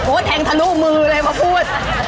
แทงทะลุมือเลยมาพูด